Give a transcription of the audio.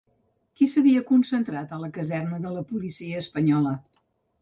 Qui s'havia concentrat a la caserna de la policia espanyola?